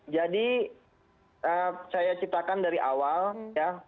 jadi saya ceritakan dari awal ya